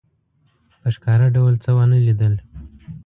په ښکاره ډول څه ونه لیدل.